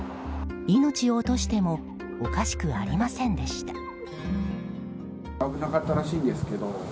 命を落としてもおかしくありませんでした。